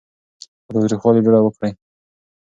له تاوتریخوالي ډډه وکړئ.